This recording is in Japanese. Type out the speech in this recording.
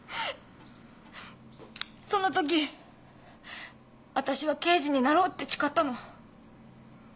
そのときわたしは刑事になろうって誓ったの。